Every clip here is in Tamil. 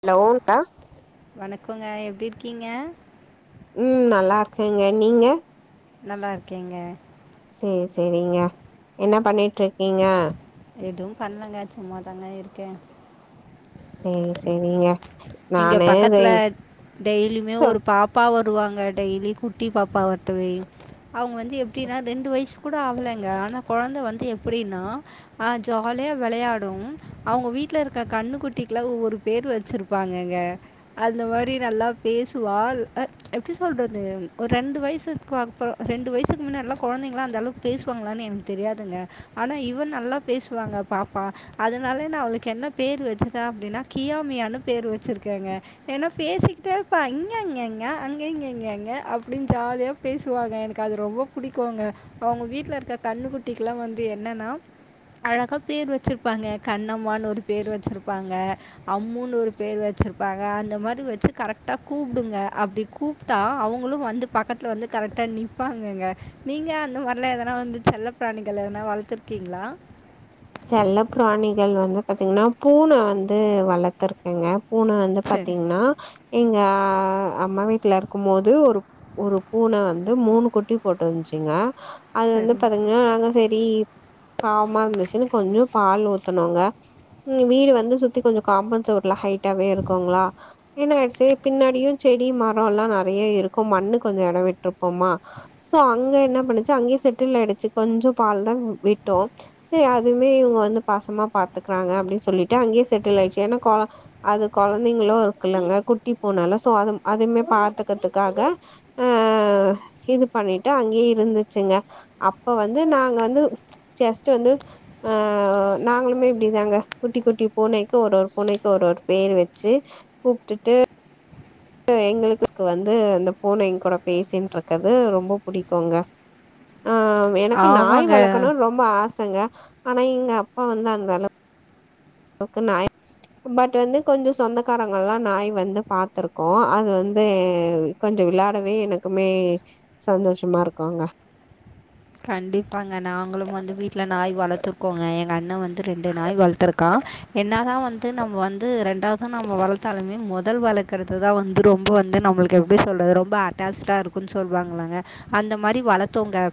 ஹலோ கா வணக்கோங்க எப்டி இருக்கீங்க ம் நல்லா இருக்கேங்க நீங்க நல்லா இருக்கேங்க சேர் சேரிங்க என்ன பண்ணிட்ருக்கீங்க எது பண்லங்க சும்மாதாங்க இருக்கே சேரி சேரிங்க இங்க நானு இத பக்கத்ல டெய்லியுமே சோ ஒரு பாப் பா வருவாங்க டெய்லி குட்டி பாப்பா வத்துவே அவுங்க வந்து எப்டினா ரெண்டு வயசு கூட ஆகலைங்க ஆனா கொழந்த வந்து எப்டின்னா ஆ ஜாலியா வெளையாடு அவுங்க வீட்ல இருக்க கண்ணு குட்டிக்ல ஒரு பேரு வச்சிருப்பாங்கங்க அந்த மாரி நல்லா பேசுவாள் அ எப்டி சொல்றது ஒரு ரெண்டு வயசுக்கு அப்றோ ரெண்டு வயசுக்கு முன்னே எல்லா கொழந்தைங்ளா அந்த அளவுக்கு பேசுவாங்களானு எனக் தெரியாதுங்க ஆனா இவ நல்லா பேசுவாங்க பாப்பா அதுனால நா அவளுக்கு என்ன பேரு வச்சுட்ட அப்டினா கியா மியானு பேரு வச்சிருக்கேங்க ஏனா பேசிக்கிட்டே இருப்பா இங்க அங்கங்க அங்க இங்க இங்க அங்க அப்டின் ஜாலியா பேசுவாங்க எனக்கு அது ரொம்ப புடிக்குங்க அவுங்க வீட்ல இருக்க கண்ணு குட்டிக்ல்லா வந்து என்னனா அழகா பேர் வச்சிருப்பாங்க கண்ணம்மான் ஒரு பேரு வச்சுருப்பாங்க அம்முன்னு ஒரு பேர் வச்சிருப்பாங்க அந்த மாரி வச்சு கரெக்டா கூப்டுங்க அப்டி கூப் டா அவங்களு வந்து பக்கத்ல வந்து கரெக்டா நிப்பாங்கங்க நீங்க அந்த மாரிலா எதனா வந்து செல்ல பிராணிகள ஏதுனா வளத்துருக்கீங்களா செல்ல பிராணிகள் வந்து பாத்தீங்கனா பூன வந்து வளத்துருக்கேங்க பூன வந்து சரி பாத்தீங்கன்னா எங்க ஆ அம்மா வீட்ல இருக்கும் போது ஒரு ஒரு பூன வந்து மூணு குட்டி போட்ருந்துச்சுங்க அது வந்து சரி பாத்தீங்கன்னா நானு சேரி பாவமா இருந்துச்சுன்னு கொஞ்சோ பால் ஊத்துனோங்க ம் வீடு வந்து சுத்தி கொஞ்ச காம்பவுன்ட் சேவுர்லா ஹை ட்டாவே இருக்குங்களா என்னாயிடுச்சு பின்னாடியு செடி மர எல்லா நெறையா இருக்கு மண்ணு கொஞ்ச எடம் விட்ருப்போமா சோ அங்க என்ன பண்ணுச்சு அங்கேயே செட்டில் ஆயிடுச்சு கொஞ்சம் பால் தா விட்டோ சே அதுமே இவுங்க வந்து பாசமா பாத்துக்குறாங்க அப்டின் சொல்லிட்டு அங்கேயே செட்டில் ஆயிடுச்சு ஏனா கா அது கொழந்தைங்களு இருக்குல்லங்க குட்டி பூனல சோ அதும் அதுமே பாத்துக்கிறதுக்காக ஆ இது பண்ணிட்டு அங்கேயே இருந்துச்சுங்க அப்ப வந்து நாங்க வந்து சஸ்ட்டு வந்து அ நாங்களுமே இப்டிதாங்க குட்டி குட்டி பூனைக்கு ஒரு ஒரு பூனைக்கு ஒரு ஒரு பேர் வச்சு கூப்டுட்டு எங்களுக்கு சோ வந்து இந்த பூனைங் கூட பேசின்ட்டு இருக்கது ரொம்ப புடிக்குங்க ஆ எனக்கு நாய் ஆமாங்க வளக்கணுனு ரொம்ப ஆசங்க ஆனா எங்க அப்பா வந்து அந்த அளவு க்கு நாய் பட் வந்து கொஞ்ச சொந்தக்காரங்கல்லா நாய் வந்து பாத்துருக்கோ அது வந்து கொஞ்ச விளாடவே எனக்குமே சந்தோஷமா இருக்கோங்க கண்டிப்பாங்க நாங்களு வந்து வீட்டில நாய் வளத்துருக்கோங்க எங்க அண்ண வந்து ரெண்டு நாய் வளத்துருக்கா என்னாதா வந்து நம்ம வந்து ரெண்டாவது நம்ம வளத்தாலுமே முதல் வளக்குறதுதா வந்து ரொம்ப வந்து நம்மளுக்கு எப்டி சொல்றது ரொம்ப அட்டாச்சுடா இருக்குன்னு சொல்லுவாங்களங்க அந்த மாரி வளத்தோங்க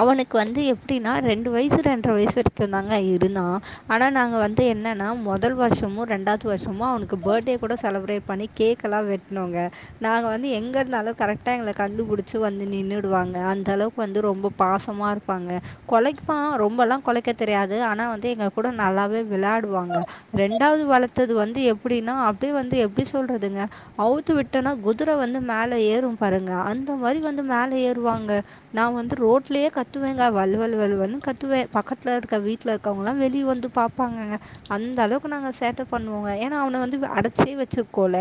அவனுக்கு வந்து எப்டினா ரெண்டு வயசு ரெண்டர வயசு வரைக்கு தாங்க இருந்தா ஆனா நாங்க வந்து என்னனா முதல் வருஷமு ரெண்டா து வருஷமோ அவனுக்கு பர்டே கூட செலிப்ரேட் பண்ணி கேக்கெலா வெட்னோங்க நாங்க வந்து எங்க இருந்தாலு கரெக்டா எங்கள கண்டுபுடிச்சு வந்து நின்னுடுவாங்க அந்த அளவு பு வந்து ரொம்ப பாசமா இருப்பாங்க கொலைப்பா ரொம்பலா கொலைக்க தெரியாது ஆனா வந்து எங்க கூட நல்லாவே விளையாடுவாங்க ரெண்டாவது வளத்தது வந்து எப்டினா அப்டியே வந்து எப்டி சொல்றதுங்க அவுத்து விட்டனா குதிரை வந்து மேல ஏறும் பாருங்க அந்த மாரி வந்து மேல ஏறுவாங்க நான் வந்து ரோட்லயே கத்துவேங்க வல்லு வல்லு வல்லு வல்லு கத்துவே பக்கத்லல இருக்க வீட்ல இருக்கவங்கல்லா வெளிய வந்து பாப் ப்பாங்கங்க அந்த அளவுக்கு நாங்க சேட்ட பண்ணுவோங்க ஏனா அவன வந்து அடச்சே வச்சிருக்கோல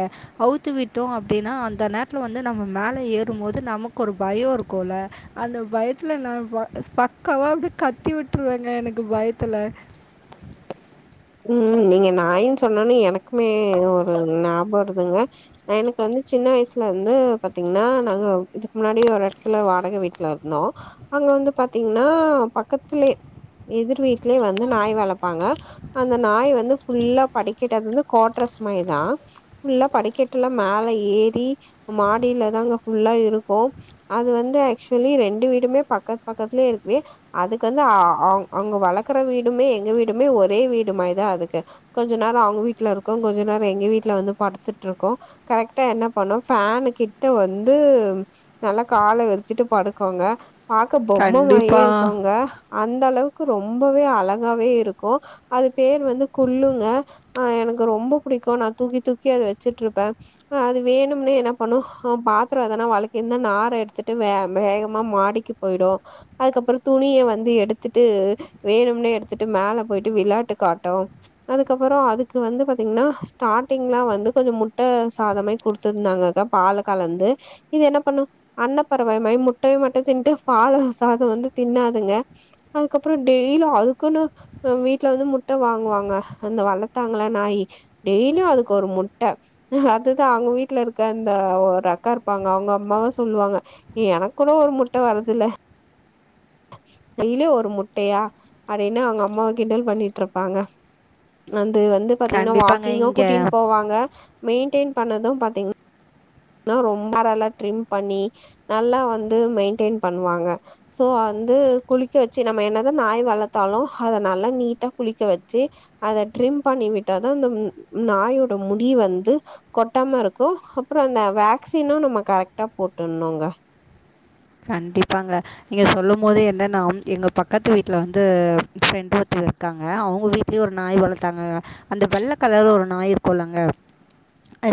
அவுத்து விட்டோ அப்டினா அந்த நேரத்துல வந்து நம்ம மேல ஏறும் போது நமக்கு ஒரு பயோ இருக்குல அந்த பயத்துல நா ப பக்காவா அப்டி கத்தி விட்ருவேங்க எனக்கு பயத்துல ம் நீங்க நாயின் சொன்னோனே எனக்குமே ஒரு ஞாப வருதுங்க எனக்கு வந்து சின்ன வயசுல இருந்து பாத்தீங்கனா நாங்க இதுக்கு முன்னாடி ஒரு எடத்துல வாடக வீட்ல இருந்தோ அங்க வந்து பாத்தீங்கனா பக்கத்துலயே எதிர் வீட்லேயே வந்து நாய் வளப்பாங்க அந்த நாய் வந்து ஃபுல்லா படிக்கிட்ட அது வந்து கோட்ரஸ் மாயி தா ஃபுல்லா படிக்கட்டுலா மேல ஏறி மாடில தாங்க ஃபுல்லா இருக்கு அது வந்து ஆக்சுவலி ரெண்டு வீடுமே பக்கத் பக்கத்துலயே இருக்கவே அதுக்கு வந்து ஆ அங்க வளக்குற வீடுமே எங்க வீடுமே ஒரே வீடு மாயி தா அதுக்கு கொஞ்ச நேர அவுங்க வீட்ல இருக்க கொஞ்ச நேர எங்க வீட்ல வந்து படுத்துட்ருக்கு கரெக்டா என்ன பண்ணு ஃபேனு கிட்ட வந்து நல்லா கால விரிச்சுட்டு படுக்கோங்க பாக்க பொம்ம மாறியே கண்டிப்பாக இருக்கு அங்க அந்த அளவுக்கு ரொம்பவே அழகாவே இருக்கு அது பேர் வந்து குல்லுங்க ஆ எனக்கு ரொம்ப புடிக்கு நா தூக்கி தூக்கி அத வெச்சுட்ருப்ப ஆ அது வேணும்னே என்ன பண்ணு ஆ பாத்றோ எதா நா வலகிருந்த நார எடுத்துட்டு வே வேகமா மாடிக்கு போயிடு அதுக்கப்பறோ துணிய வந்து எடுத்துட்டு வேணும்னே எடுத்துட்டு மேல போய் டு விளாட்டு காட்டு அதுக்கப்பறோ அதுக்கு வந்து பாத்தீங்ன்னா ஸ்டார்ட்டிங் ல வந்து கொஞ்சோ முட்ட சாதமே குடுத்துருந்தாங்கக்கா பாலு கலந்து இது என்ன பண்ணு அன்ன பரவை மாயி முட்டய மட்டு தின்ட்டு பாலு சாதோ வந்து தின்னாதுங்க அதுக்கப்புறோ டெய்லு அதுக்குன்னு இப்ப வீட்ல வந்து முட்ட வாங்வாங்க அந்த வளரத்தாங்கள நாயி டெய்லியு அதுக்கு ஒரு முட்ட அதுதா அங்க வீட்ல இருக்க அந்த ஒரு அக்கா இருப்பாங்க அவங்க அம்மாவா சொல்லுவாங்க எனக் கூட ஒரு முட்ட வரதுல்ல டெய்லு ஒரு முட்டயா அப்டின்னு அவங்க அம்மாவ கிண்டல் பண்ணிட்ருப்பாங்க வந்து வந்து பாத்தீங்ன்னா கண்டிப்பாங்க வாக்கிங்கு இங்கே கூட்டின் போவாங்க மெயின்டெயின் பண்ணது பாத்தீங் ஆனா ரொம்ப நல்லா ட்ரிம் பண்ணி நல்லா வந்து மெயின்டென் பண்ணுவாங்க சோ வந்து குளிக்க வெச்சு நம்ம என்னதா நாய் வளத்தாலு அத நல்லா நீட்டா குளிக்க வெச்சு அத ட்ரிம் பண்ணி விட்டாதா அந்த நாயோட முடி வந்து கொட்டாம இருக்கு அப்புறோ அந்த வேக்சினு நம்ம கரெக்டா போட்டுணுங்க கண்டிப்பாங்க நீங்க சொல்லும் போது என்னனா எங்க பக்கத்து வீட்ல வந்து ஃப்ரெண்ட் ஒருத்தங்க க்காங்க அவுங்க வீட்லியு ஒரு நாய் வளத்தாங்கங்க அந்த வெள்ள கலர் ஒரு நாய் இருக்குலங்க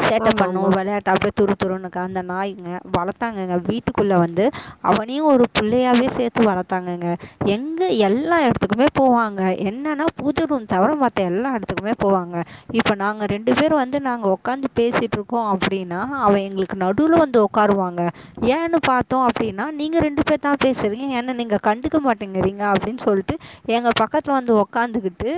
சேட்ட ஆமா பண்ணு ஆமா வெளையாட்ட அப்டியே துரு துருன்னுக்கா அந்த நாய்ங்க வளர்த்தாங்கங்க வீட்டுக்குள்ள வந்து அவனயு ஒரு புள்ளையாவே சேத்து வளத்தாங்கங்க எங்க எல்லா எடத்துக்குமே போவாங்க என்னன்னா பூஜ ரூம் தவர மத்த எல்லா எடத்துக்குமே போவாங்க இப்ப நாங்க ரெண்டு பேரு வந்து நாங்க உக்காந்து பேசிட்டு இருக்கோ அப்டின்னா அவ எங்ளுக்கு நடுவுல வந்து உக் காருவாங்க ஏன்னு பாத் த்தோ அப்டின்னா நீங்க ரெண்டு பேர் தா பேசுறீ என்ன நீங்க கண்டுக்க மாட்டேங்குறீங்க அப்டின்னு சொல்ட்டு எங்க பக்கத்துல வந்து உக்காந்துகிட்டு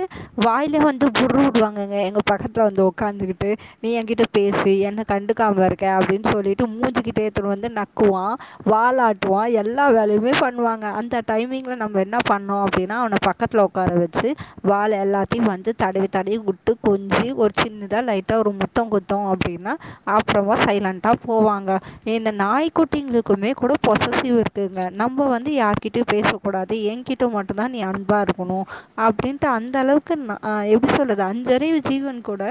வாய்ல வந்து புர் உடுவாங்கங்க எங்க பக்கத்துல வந்து உக்காந்துகிட்டு நீ எங்கிட்ட பேசு என்ன கண்டுக்காம இருக்க அப்டின்னு சொல்லிட்டு மூஞ்சுகிட்ட ஏத்துடு வந்து நக்குவா வாலாட்டுவா எல்லா வேலயுமே பண்ணுவாங்க அந்த டைமிங்ல நம்ம என்ன பண்ணோ அப்டின்னா அவன பக்கத்துல உக்கார வெச்சு வால் எல்லாத்தயு வந்து தடவி தடவி வுட்டு கொஞ்சி ஒரு சின்னதா லைட்டா ஒரு உம்மா முத்தோ குத்தோ அப்டின்னா அப்புறோமா சைலண்டா போவாங்க இந்த நாய்க் குட்டிங்குளுக் குமே கூட பொசசிவ் இருக்குங்க நம்ம வந்து யார்கிட் கிட்டயு பேசக்கூடாது என்கிட்ட மட்டுந்தா நீ அன்பா இருக்கணு அப்டின்ட்டு அந்த அளவுக்கு ன் அ எப்டி சொல்றது அஞ்சறிவு ஜீவன் கூட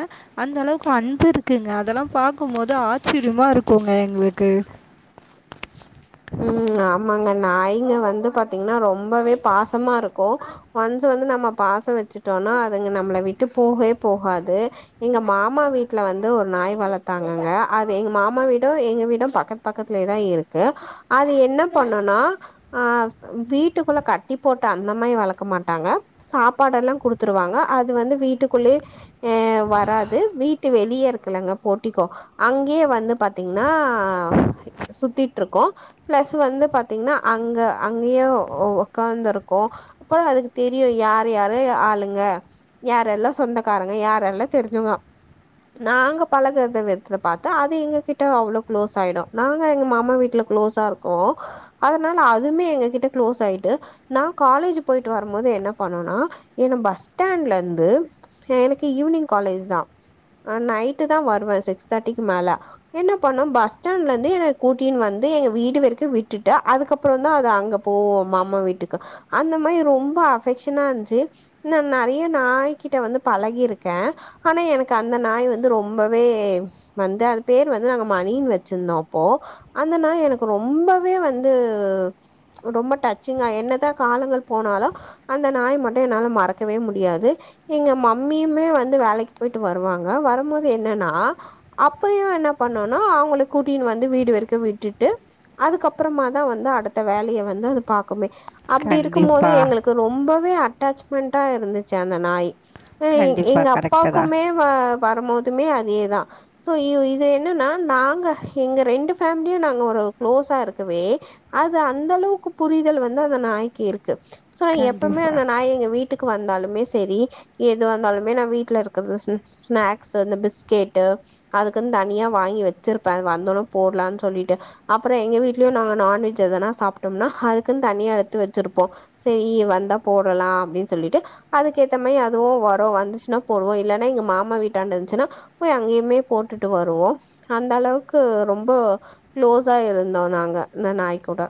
அந்த அளவுக்கு அன்பு இருக்குங்க அதெல்லா பாக்கு போது ஆச்சரியமா இருக்குங்க எங்ளுக்கு ம் ஆமாங்க நய்ங்க வந்து பாத்தீங்ன்னா ரொம்பவே பாசமா இருக்கு கொஞ்சோ வந்து நம்ம பாசோ வெச்சுட்டோனா அதுங்க நம்மள விட்டு போகே போகாது எங்க மாமா வீட்ல வந்து ஒரு நாய் வளத்தாங்கங்க அது எங்க மாமா வீடு எங்க வீடு பக்கத் பக்கத்துல இரு லதா இருக்கு அது என்ன பண்ணுனா அ வீட்டுக்குள்ள கட்டி போட்டு அந்த மாரி வளக்க மாட்டாங்க சாப்பாடெல்லா குடுத்துருவாங்க அது வந்து வீட்டுக்குள்ளே ஆ வராது வீட்டு வெளிய இருக்குலங்க போட்டிக்கோ அங்யே வந்து பாத்தீங்ன்னா சுத்திட்ருக்கு ப்ளஸ் வந்து பாத்தீங்ன்னா அங்க அங்கியேவோ ஒ ஒக்காந்துருக்கு புறோ அதுக்கு தெரியு யாரு யாரு ஆளுங்க யாரெல்லா சொந்தக்காரங்க யாரெல்லா தெரிஞ்செவ்ங்கோ நாங்க பழகற்றத வெத்ல பாத்தா அது எங்க கிட்ட அவ்ளோ க்ளோஸ் ஆயிடு நாங்க எங்க மாமா வீட்ல க்ளோஸா இருக்கோ அதனால அதுமே எங்க கிட்ட க்ளோஸ் ஆயிட்டு நா காலேஜு போயிட்டு வரமோது என்ன பண்ணுனா என்ன பஸ் ஸ்டாண்ட்லேந்து சே எனக்கு ஈவ்னிங் காலேஜ்தா அ நைட்டுதா வருவ சிக்ஸ் தேட்டிக்கு மேல என்ன பண்ணு பஸ் ஸ்டாண்ட்ல து என கூட்டின் வந்து எங்க வீடு வெரக்கு விட்டுட்டு அதுக்கப்புறந்தா அது அங்க போவு மாமா வீட்டுக்கு அந்த மாரி ரொம்ப அஃபெக்ஷனா இந்துச்சு ன்ன நறைய நாய்கிட்ட வந்து பழகிருக்க அனா எனக்கு அந்த நாய் வந்து ரொம்பவே வந்து அது பேர் வந்து நாங்க மணின் வெச்சிந்தோ போ அந்த நாய் எனக்கு ரொம்பவே வந்து ரொம்ப டச்சிங்கா என்னதா காலங்கள் போனாலு அந்த நாய மட்டு என்னால மறக்கவே முடியாது எங்க மம்மியுமே வந்து வேலைக்கி போயிட்டு வருவாங்க வரம்போது என்னனா அப்பயு என்ன பண்ணுன்னா அவுங்கள கூட் கீனு வந்து வீடு வெரிக்கு விட்டுட்டு அதுக் அப்புறமாதா வந்து அடுத்த வேலய வந்து அது பாக்குமே அப்டி இருக்கும்மோது கண்டிப்பாக எங்ளுக்கு ரொம்பவே அட்டேச்மெண்ட்டா இருந்துச்சு அந்த நாய் ஹே எங் கண்டிப்பாக கரெக்டு தான் அப்பாக்குமே அ வரமோதுமே அதேதான சோ யூ இது என்னென்னா நாங்க எங்க ரெண்டு ஃபேம்லியு நாங்க ஒரு க்ளோஸா இருக்கவே அது அந்தளவுக்கு புரிதல் வந்து அந்த நாய்க்கு இருக்கு சோ நா எப்பமே கண்டிப்பாக அந்த நாய் எங்க வீட் டுக் வந்தாலுமே செரி எதுவந்தாலுமே நா வீட்ல இருக்கற்து சு ஸ்நாக்ஸ் இந்த பிஸ்கேட்டு அதுக்குன் தனியா வாங்கி வெச்சிருப்ப அது வந்தோன போட்லான் சொல்லிட்டு அப்புற எங்க வீட்லியு நாங்க நான்வெஜ் எதனா சாப்ட்டம்னா அதுக்குன் தனியா எடுத்து வச்சிருப்போ செரி வந்தா போரலா அப்டின் சொல்லிட்டு அதுக்கேத்த மை அதுவு வரு வந்துச்சுன்னா போடுவோ இல்லன்னா எங்க மாமா வீட்டாண்ட இர்ந்ச்சுன்னா போய் அங்யுமே போட்டுட்டு வருவோ அந்த அளவுக் கு ரொம்ப க்ளோஸா இருந்தோ நாங்க அந்த நாய் கூட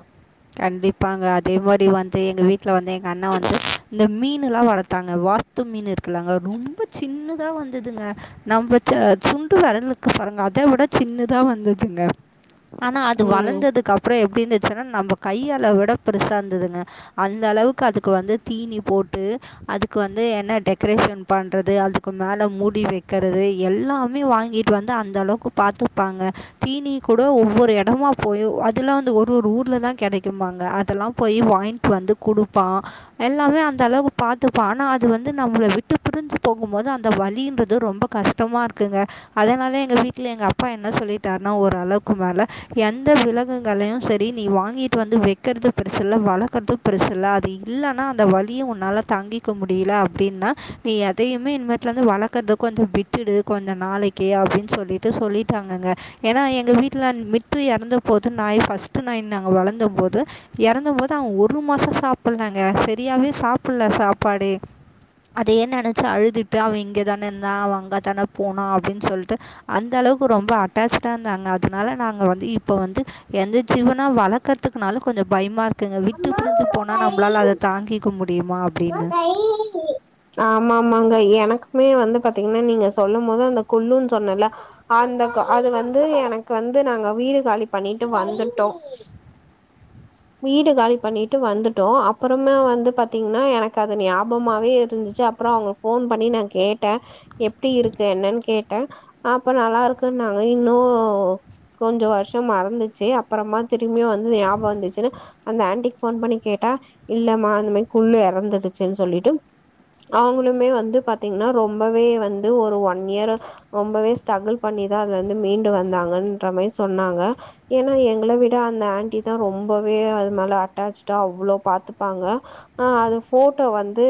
கண்டிப்பாங்க அதே மாரி வந்து எங்க வீட்ல வந்து எங்க அண்ண வந்து இந்த மீனுலா வளத்தாங்க வாஸ்த்து மீன் இருக்குல்லங்க ரொம்ப சின்னதா வந்துதுங்க நம்ம ச சுண்டு வெரலுக்கு பாருங்க அத விட சின்னதா வந்துதுங்க ஆனா அது ம் வளந்ததுக்கு அப்ற எப்டி இந்துச்சுன்னா நம்ப கை அளவிட பெருசா இந்துதுங்க அந் அளவுக்கு அதுக்கு வந்து தீனி போட்டு அதுக்கு வந்து என்ன டெக்கரேஷன் பண்றது அதுக்கு மேல மூடி வெக்கறது எல்லாமே வாங்கிற் ப்பு வந்து அந்த அளவுக்கு பாத்துப்பாங்க தீனி கூட ஒவ்வொரு எடமா போயு அதுல்லா வந்து ஒரு ஒரு ஊர்லதா கெடக்குமாங்க அதெல்லா போயி வாய்ட்டு வந்து குடுப்பா எல்லாமே அந்த அளவுக்கு பாத்துப்பா ஆனா அது வந்து நம்ள விட்டு பிரிஞ்சு போகும்மோது அந்த வலின்றது ரொம்ப கஷ்ட்டமாக இருக்குங்க அதனால எங்க வீட்ல எங்கள அப்பா என்ன சொல்லிட்டார்னா ஓர் அளவ்க்கு மேல எந்த விலங்குகளயு சரி நீ வாங்கிட் வந்து வெக்கற்து பெருசுல்ல வளக்கற்து பெருசுல்ல அது இல்லனா அந்த வலிய உன்னால தாங்கி க்க முடில அப்டின்னா நீ எதையுமே இன்னுமேட்டலந்து வளர்க்குறது கொஞ்ச விட்டுடு கொஞ்ச நாளைக் ஓகே அப்பிடின் சொல்லிட்டு சொல்லிட்டாங்கங்க ஏனா எங்க வீட்டுல மிட்டு எறந்த போது நாய் பஸ்ட் நாய் நாங்க வளந்த போது இறந்த போது அவ ஒரு மாச சாப்புலாங்க சரியாவே சாப்புல்ல சாப்பாடு அதே நெனச்சி அழுதுட்டு அவ இங்க தானே இருந்தா அவ அங்க தானே போனா அப்புடின்னு சொல்ட்டு அந்த அளவுக்கு ரொம்ப அட் அட்டாச்டா இருந்தாங்க அதனால நாங்க வந்து இப்போ வந்து எந்த ஜீவனா வளர்க்குற தா கத்துக்குனால கொஞ்ச பயமா இருக்குங்க விட்டு பிரிஞ்சு போனா நம்மளால அத தாங்கிக்க முடியுமா அப்பிடின்னு வெள்ளி சனி ஆமா ஆமாங்க எனக்குமே வந்து பாத்தீங்கின்னா நீங்க சொல்லுமோது அந்த கொல்லுன்னு சொன்னல அந்த க அது வந்து எனக்கு வந்து நாங்க வீடு காலி பண்ணிட்டு வந்துட்டோ வீடு காலி பண்ணிட்டு வந்துட்டோ அப்புறமே வந்து பாத்தீங் அனா எனக்கு அது ஞாபமாவே இருந்துச்சு அப்புற போன் பண்ணி நா கேட்ட எப்டி இருக்கு என்னன்னு கேட்ட அப்ப நல்லா இருக்குன்னாங்க இன்னு கொஞ்ச வருஷ மறந்துச்சி அப்புறமா திரும்பியு வந்து ஞாபக வந்துச்சினு அந்த ஆண்டிக்கு போன் பண்ணி கேட்டா இல்லம்மா இந்தமாரி குல்லு எறந்துடுச்சினு சொல்லிட்டு அவுங்களுமே வந்து பாத்தீங்கின்னா ரொம்பவே வந்து ஒரு ஒன் இயர் ரொம்பவே ஸ்டகுள் பண்ணிதா அதுலந்து மீண்டு வந்தாங்கன்ற மாரி சொன்னாங்க ஏனா எங்கள விட அந்த ஆன்டி தா ரொம்பவே அது மேல அட்டாச்சிடா அவ்ளோ பாத்துப்பாங்க ஆ அது போட்டோ வந்து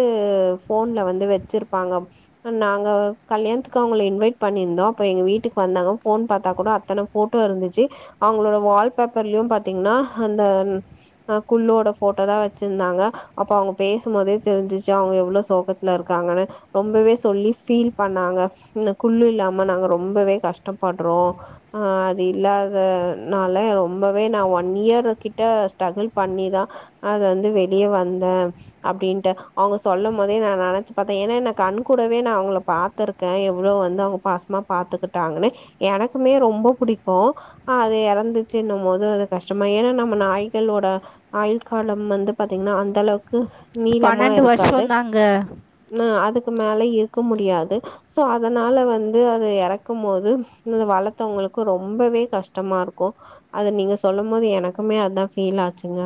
போன்ல வந்து வச்சிருப்பாங்க நாங்க கல்யாணத்துக்கு அவுங்க இன்வைட் பண்ணியிருந்தோ அப்ப எங்க வீட்டுக்கு வந்தாங்க ஃபோன் பாத்தா கூட அத்தன போட்டோ இருந்துச்சி அவுங்களோட வால் பேப்பர்லயு பாத்தீங்கின்னா அந்த அ குல்லோட போட்டோ தா வச்சிருந்தாங்க அப்போ அவுங்க பேசும்போதே தெரிஞ்சிச்சி அவுங்க எவ்ளோ சோகத்துல இருக்காங்கனு ரொம்பவே சொல்லி ஃபீல் பண்ணாங்க குல்லு இல்லாம நாங்க ரொம்பவே கஷ்டப்படுறோ அ அது இல்லாதனால ரொம்பவே நா ஒன் இயர் கிட்ட ஸ்டகுள் பண்ணிதா அதுலந்து வெளியே வந்த அப்பிடின்ட்டு அவுங்க சொல்ல போதே நா நெனச்சி பாத்தே ஏன்னா என கண் கூடவே நா அவுங்கள பாத் துருக்க எவ்ளோ வந்து அவுங்க பாசமா பாத்துக்கிட்டாங்கன்னு எனக்குமே ரொம்ப புடிக்கு அ அது இறந்துச்சினு போது அது கஷ்டமா ஏனா நம்ம நாய்களோட ஆயுள் கால வந்து பாத்தீங்கின்னா அந்த அளவுக்கு நீளமா பன்னெண்டு இருக்காது வருஷம்தாங்க அ அதுக்கு மேல இருக்க முடியாது சோ அதனால வந்து அது இறக்குமோது அது வளத்தவுங்களுக்கு ரொம்பவே கஷ்டமா இருக்கூ அது நீங்க சொல்லுமோது எனக்குமே அதா ஃபீல் ஆச்சுங்க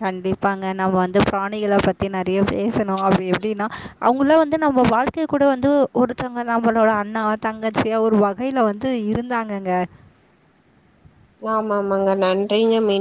கண்டிப்பாங்க நம்ம வந்து பிராணிகள பத்தி நிறைய பேசணு அப்பிடி எப்பிடின்னா அவுங்குல்ல வந்து நம்ம வாழ்க்கை கூட வந்து ஒருத்தங்க நம்மளோட அண்ணா தங்கச்சி ஒரு வா டையில வந்து இருந்தாங்கங்க ஆமா ஆமாங்க நன்றிங்க மீண்